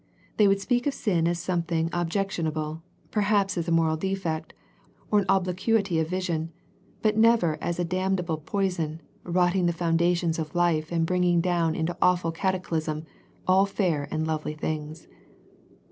They would speak of sin as something objec tionable, perhaps as a moral defect, or an obliquity of vision, but never as a damnable poison, rotting the foundations of life and bringing down into awful cataclasm all fair and lovely things.